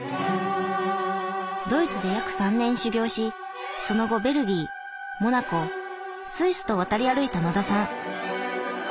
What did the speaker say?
ドイツで約３年修業しその後ベルギーモナコスイスと渡り歩いた野田さん。